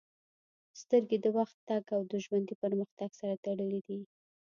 • سترګې د وخت تګ او د ژوند پرمختګ سره تړلې دي.